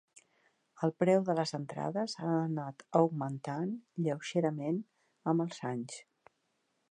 El preu de les entrades ha anat augmentant lleugerament amb els anys.